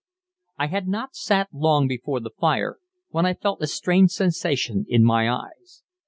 I had not sat long before the fire when I felt a strange sensation in my eyes.